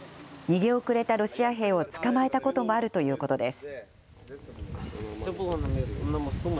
逃げ遅れたロシア兵を捕まえたこともあるということです。